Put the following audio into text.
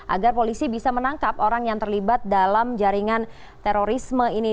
agar polisi bisa menangkap orang yang terlibat dalam jaringan terorisme ini